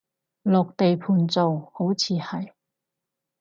落地盤做，好似係